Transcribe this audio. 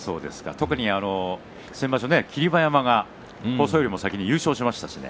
特に先場所、霧馬山が豊昇龍より先に優勝しましたしね。